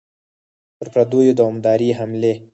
پر پردیو دوامدارې حملې.